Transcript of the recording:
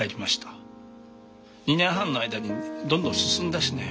２年半の間にどんどん進んだしね。